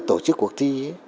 tổ chức cuộc thi